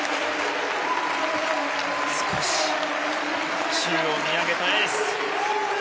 少し、宙を見上げたエース。